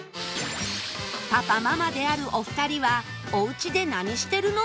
パパママであるお二人はお家で何してるの？